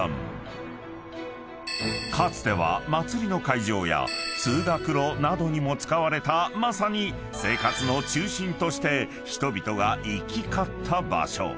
［かつては祭りの会場や通学路などにも使われたまさに生活の中心として人々が行き交った場所］